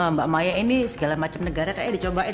mbak maya ini segala macam negara kayaknya dicobain